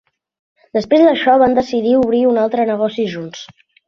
Després d'això, van decidir obrir un altre negoci junts.